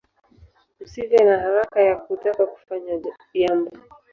Usive na haraka ya kuthaka kufanya yambo